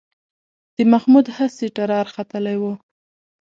د محمود هسې ټرار ختلی و